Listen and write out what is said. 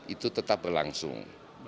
itu tetap berlangsung